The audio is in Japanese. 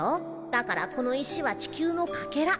だからこの石は地球のかけら。